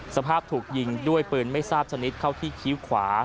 สภาพถูกยิงด้วยปืนไม่ทราบชนิดเข้าที่คิ้วขวา